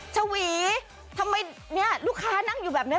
ชวีทำไมเนี่ยลูกค้านั่งอยู่แบบนี้